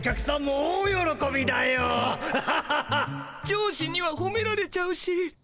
上司にはほめられちゃうし。